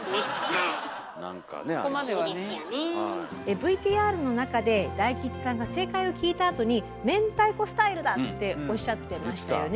ＶＴＲの中で大吉さんが正解を聞いたあとに「明太子スタイルだ」っておっしゃってましたよね。